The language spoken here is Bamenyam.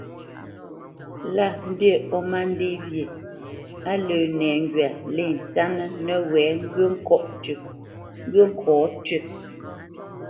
Lâ mbî ó má ndê wyê, á lə́ nɛŋgywa lê ntánə́ nəwɛ̌ ŋgyə̂ ŋkɔ̌ tʉ́,